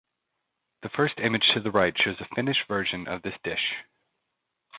The first image to the right shows a Finnish version of this dish.